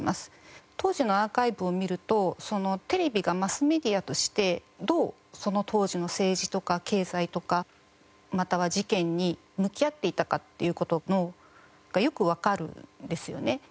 当時のアーカイブを見るとテレビがマスメディアとしてどうその当時の政治とか経済とかまたは事件に向き合っていたかっていう事がよくわかるんですよね。